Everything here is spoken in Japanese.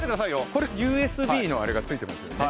これＵＳＢのあれがついてますよね